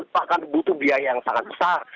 bahkan butuh biaya yang sangat besar